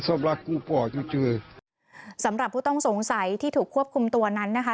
ตัดสาบุตัวสำหรับผู้ต้องสงสัยที่ถูกควบคุมตัวนั้นนะคะ